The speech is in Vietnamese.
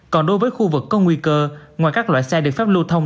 còn đối với khu vực có nguy cơ ngoài các loại xe được phép lưu thông